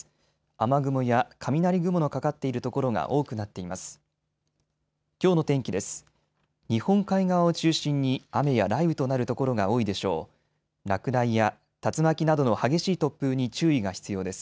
雨雲や雷雲のかかっている所が多くなっています。